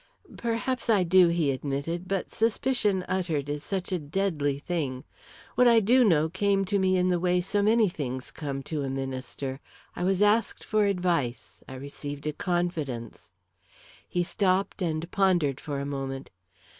"Perhaps I do," he admitted, "but suspicion uttered is such a deadly thing! What I do know came to me in the way so many things come to a minister. I was asked for advice I received a confidence " He stopped and pondered for a moment.